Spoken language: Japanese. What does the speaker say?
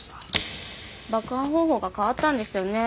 爆破方法が変わったんですよね。